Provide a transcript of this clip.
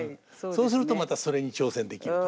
そうするとまたそれに挑戦できると。